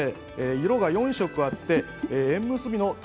色が４色あって縁結びの鯛